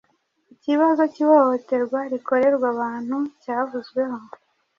ikibazo k’ihohoterwa rikorerwa abantu cyavuzweho,